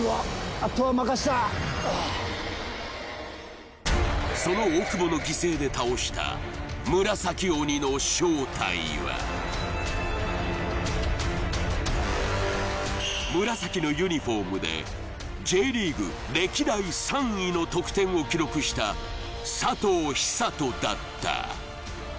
あとは任したその大久保の犠牲で倒した紫のユニフォームでＪリーグ歴代３位の得点を記録した佐藤寿人だった